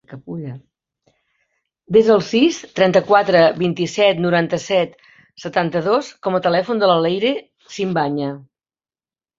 Desa el sis, trenta-quatre, vint-i-set, noranta-set, setanta-dos com a telèfon de la Leyre Simbaña.